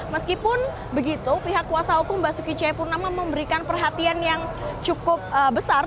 meskipun begitu pihak kuasa hukum basuki c purnama memberikan perhatian yang cukup besar terhadap risik sihab